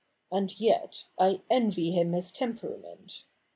And yet —I envy him his temperament.